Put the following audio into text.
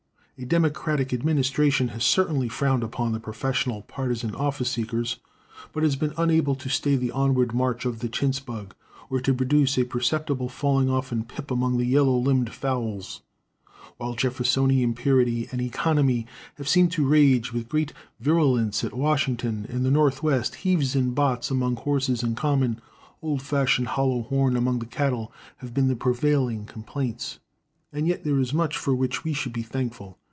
A Democratic administration has certainly frowned upon the professional, partisan office seekers, but it has been unable to stay the onward march of the chintz bug or to produce a perceptible falling off in pip among the yellow limbed fowls. While Jeffersonian purity and economy have seemed to rage with great virulence at Washington, in the northwest heaves and botts among horses and common, old fashioned hollow horn among cattle have been the prevailing complaints. And yet there is much for which we should be thankful.